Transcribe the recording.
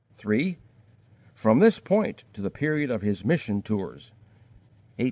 From this point to the period of his mission tours: 1835 75.